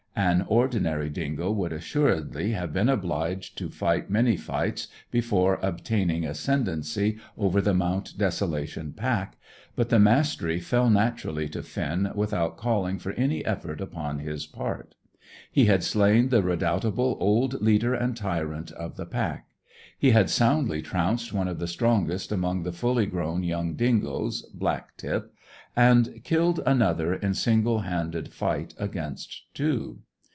An ordinary dingo would assuredly have been obliged to fight many fights before obtaining ascendancy over the Mount Desolation pack; but the mastery fell naturally to Finn without calling for any effort upon his part. He had slain the redoubtable old leader and tyrant of the pack. He had soundly trounced one of the strongest among the fully grown young dingoes, Black tip, and killed another in single handed fight against two.